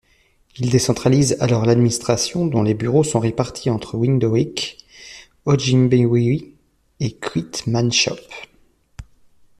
Il décentralise alors l'administration dont les bureaux sont répartis entre Windhoek, Otjimbingwe et Keetmanshoop.